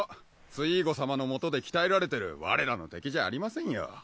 ツイーゴ様のもとで鍛えられてる我らの敵じゃありませんよ。